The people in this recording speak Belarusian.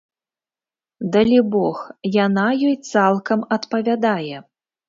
Далібог, яна ёй цалкам адпавядае.